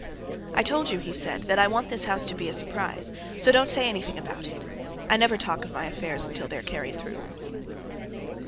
"I told you," he said, "that I want this house to be a surprise, so don't say anything about it. I never talk of my affairs until they're carried through."